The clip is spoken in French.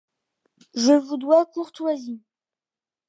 Je vous dois courtoisie.